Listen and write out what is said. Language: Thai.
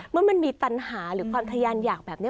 เมื่อมันมีปัญหาหรือความทะยานอยากแบบนี้